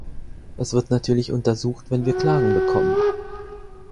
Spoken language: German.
Es wird natürlich untersucht, wenn wir Klagen bekommen.